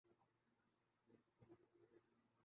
نہ وہ رنگ فصل بہار کا نہ روش وہ ابر بہار کی